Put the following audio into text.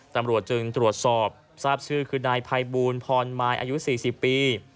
ตำรวจจึงตรวจสอบทราบชื่อคือนายภัยบูลพรมายอายุ๔๐ปี